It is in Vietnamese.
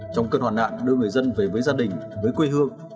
trong cơn hoạn nạn đưa người dân về với gia đình với quê hương